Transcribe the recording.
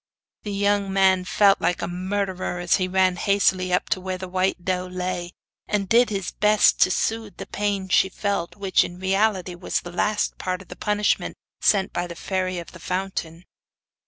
The young man felt like a murderer as he ran hastily up to where the white doe lay, and did his best to soothe the pain she felt, which, in reality, was the last part of the punishment sent by the Fairy of the Fountain.